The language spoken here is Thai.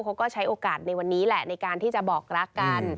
เขาก็ใช้โอกาสในวันนี้แหละในการที่จะบอกรักกัน